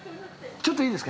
ちょっといいですか？